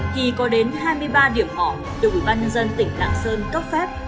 thì có đến hai mươi ba điểm mỏ được ủy ban nhân dân tỉnh lạng sơn cấp phép